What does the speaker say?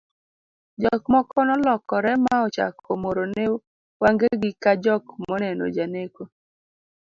jok moko nolokore ma ochako morone wangegi ka jok moneno janeko